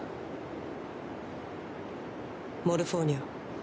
モルフォーニャ。